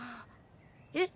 えっ？